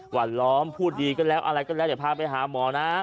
หวานล้อมพูดดีก็แล้วอะไรก็แล้วแต่พาไปหาหมอนะ